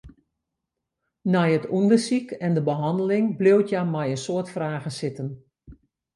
Nei it ûndersyk en de behanneling bliuwt hja mei in soad fragen sitten.